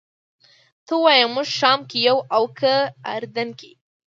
ته ووایه موږ شام کې یو او که اردن کې.